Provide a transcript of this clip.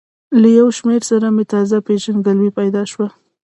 له یو شمېر سره مې تازه پېژندګلوي پیدا شوه.